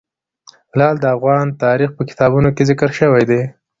لعل د افغان تاریخ په کتابونو کې ذکر شوی دي.